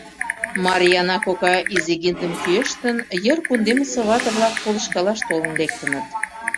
Марйаана кока изигиндым кӱэштын, йыр кундемысе вате-влак полышкалаш толын лектыныт.